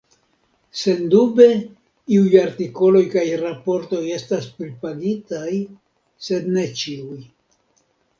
Sendube iuj artikoloj kaj raportoj estas pripagitaj, sed ne ĉiuj.